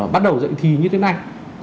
bắt đầu dạy thi như thế này